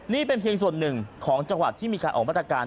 นี่เป็นเพียงส่วนหนึ่งของจังหวัดที่มีการออกมาตรการ